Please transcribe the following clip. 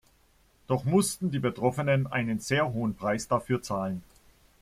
Doch mussten die Betroffenen einen sehr hohen Preis dafür zahlen.